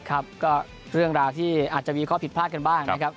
ครับก็เรื่องราวที่อาจจะมีข้อผิดพลาดกันบ้างนะครับ